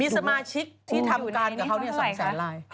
สมาชิกที่ทำการกับเขา๒แสนลาย